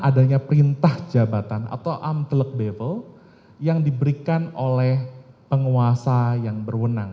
jika ini bukti pratensa perintah jabatan atau amtelk bevel yang diberikan oleh penguasa yang berwenang